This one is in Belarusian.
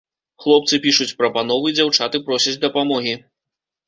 Хлопцы пішуць прапановы, дзяўчаты просяць дапамогі.